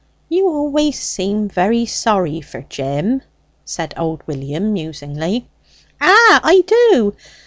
"You always seem very sorry for Jim," said old William musingly. "Ah! I do.